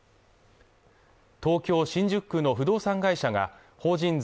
東京・新宿区の不動産会社が法人税